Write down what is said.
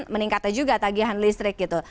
meningkatnya juga tagihan listrik gitu